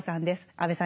安部さん